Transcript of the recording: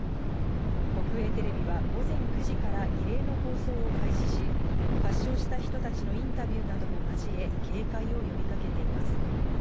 国営テレビは午前９時から異例の放送を開始し、発症した人たちのインタビューなども交え警戒を呼びかけています。